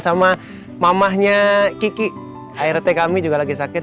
sama mamahnya kiki art kami juga lagi sakit